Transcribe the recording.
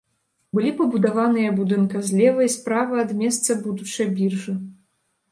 Былі пабудаваныя будынка злева і справа ад месца будучай біржы.